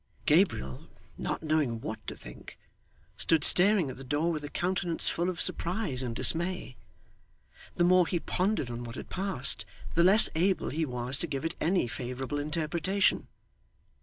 Gabriel, not knowing what to think, stood staring at the door with a countenance full of surprise and dismay. The more he pondered on what had passed, the less able he was to give it any favourable interpretation.